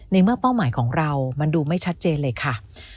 ในเมื่อเป้าหมายของเรามันดูไม่ชัดเจนเลยค่ะ